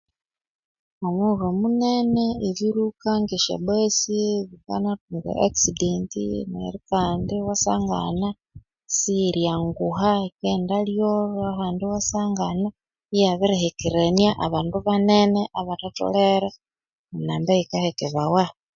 Omughulhu munene ebiruka ngesyobasi sikanathunga akisidenti neryo Kandi iwasangana siyiryanguha yikaghendalyolho ahandi iwasakana iyabirihekerania abandu banene abathatholere enamba eyikahekabawa